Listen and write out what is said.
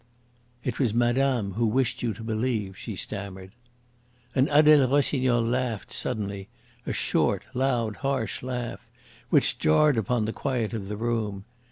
"It was madame who wished you to believe," she stammered. And Adele Rossignol laughed suddenly a short, loud, harsh laugh, which jarred upon the quiet of the room.